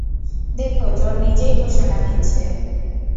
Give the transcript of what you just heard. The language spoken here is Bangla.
দেখ, চোর নিজেই ঘোষণা দিচ্ছে!